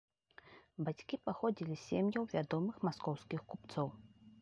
Бацькі паходзілі з сем'яў вядомых маскоўскіх купцоў.